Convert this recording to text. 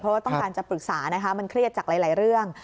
เพราะว่าต้องการจะปรึกษานะคะมันเครียดจากหลายเรื่อง